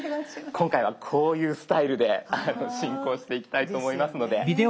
今回はこういうスタイルで進行していきたいと思いますので。